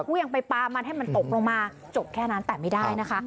ก็ยังไปปลามันให้มันตกลงมาจบแค่นั้นแต่ไม่ได้นะคะ